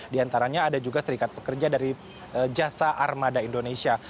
di antaranya ada juga serikat pekerja dari jasa armada indonesia